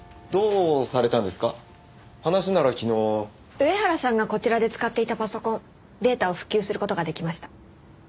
上原さんがこちらで使っていたパソコンデータを復旧する事ができました。